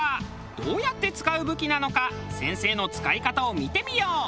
どうやって使う武器なのか先生の使い方を見てみよう。